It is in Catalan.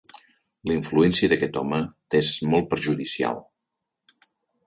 La influència d'aquest home t'és molt perjudicial.